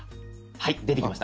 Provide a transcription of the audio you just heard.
はい出てきました。